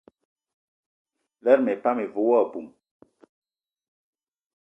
Lerma epan ive wo aboum.